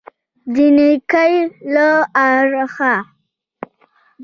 د نېکۍ له اړخه.